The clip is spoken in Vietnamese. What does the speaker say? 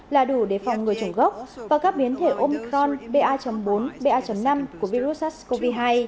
là đủ để phòng người trùng gốc và các biến thể omicron ba bốn ba năm của virus sars cov hai